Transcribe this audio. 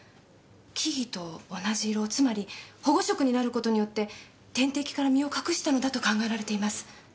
木々と同じ色つまり保護色になることによって天敵から身を隠したのだと考えられています。